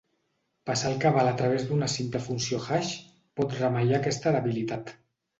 Passar el cabal a través d'una simple funció hash pot remeiar aquesta debilitat.